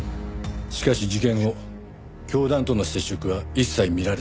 しかし事件後教団との接触は一切見られず。